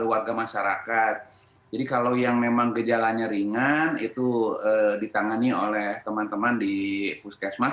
warga masyarakat jadi kalau yang memang gejalanya ringan itu ditangani oleh teman teman di puskesmas